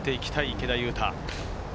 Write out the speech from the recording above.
池田勇太。